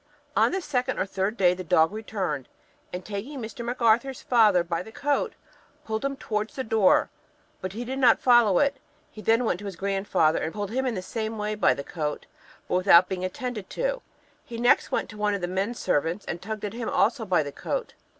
On the second or third day the dog returned, and taking Mr. Macarthur's father by the coat, pulled him towards the door, but he did not follow it; he then went to his grandfather, and pulled him in the same way by the coat, but without being attended to; he next went to one of the men servants, and tugged him also by the coat.